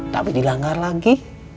tapi dilanggar lagi